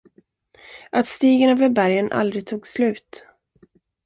Att stigen över bergen aldrig tog slut!